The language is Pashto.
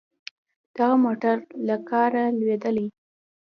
دغه موټر له کاره لوېدلی.